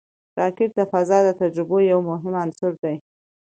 راکټ د فضا د تجربو یو مهم عنصر دی